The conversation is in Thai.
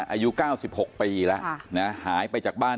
อายุเก้าสิบหกปีละค่ะนะหายไปจากบ้าน